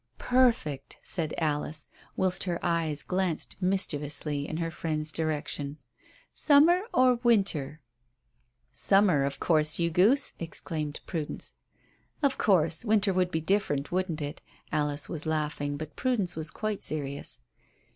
"Perfect," said Alice, whilst her eyes glanced mischievously in her friend's direction. "Summer or winter?" "Summer, of course, you goose," exclaimed Prudence. "Of course; winter would be different, wouldn't it?" Alice was laughing, but Prudence was quite serious.